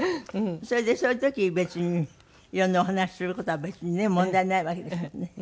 それでそういう時別に色んなお話する事は別にね問題ないわけですもんね。